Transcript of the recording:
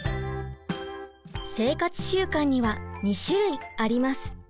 生活習慣には２種類あります。